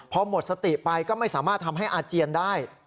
พอหมดสติไปก็ไม่สามารถทำให้อาเจียนได้